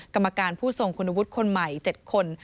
กรรมการผู้ทรงคุณวุฒิคนใหม่๗คน